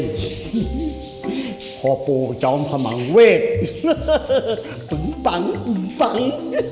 อุ้ยพ่อปูกเจ้าพมังเวทอุ๋มปังอุ๋มปัง